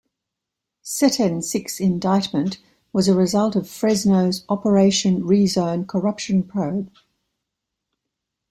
Setencich's indictment was a result of Fresno's Operation Rezone corruption probe.